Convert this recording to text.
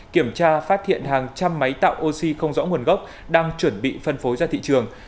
kiểm tra phát hiện hàng trăm máy tạo oxy không rõ nguồn gốc đang chuẩn bị phân phối ra thị trường